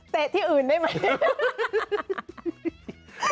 ที่อื่นได้ไหม